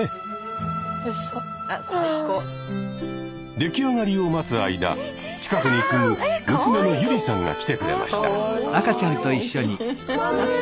出来上がりを待つ間近くに住む娘のユリさんが来てくれました。